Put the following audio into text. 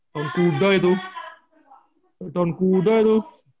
tahun kuda itu tahun kuda itu